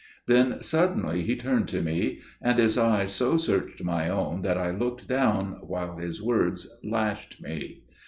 Then suddenly he turned to me, and his eyes so searched my own that I looked down, while his words lashed me.